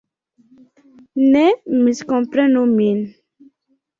Ne miskomprenu min.